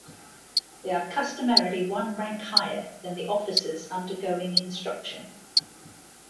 They are customarily one rank higher than the officers undergoing instruction.